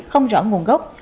không rõ nguồn gốc